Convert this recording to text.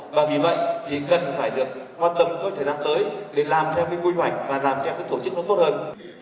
và vì vậy thì cần phải được hoàn tâm với thời gian tới để làm theo cái quy hoạch và làm theo cái tổ chức nó tốt hơn